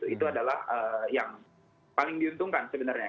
itu adalah yang paling diuntungkan sebenarnya